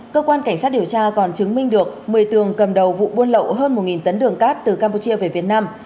cơ quan cảnh sát điều tra còn chứng minh được một mươi tường cầm đầu vụ buôn lậu hơn một tấn đường cát từ campuchia về việt nam